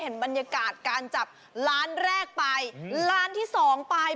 เห็นบรรยากาศการจับล้านแรกไปล้านที่สองไป